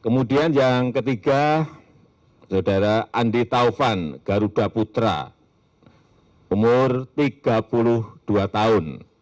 kemudian yang ketiga saudara andi taufan garuda putra umur tiga puluh dua tahun